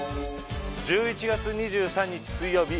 １１月２３日水曜日